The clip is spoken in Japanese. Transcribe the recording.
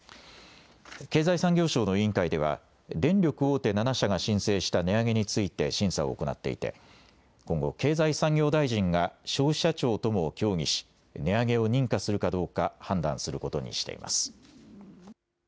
経済産業省の委員会では電力大手７社が申請した値上げについて審査を行っていて今後、経済産業大臣が消費者庁とも協議し値上げを認可するかどうか判断することにしています。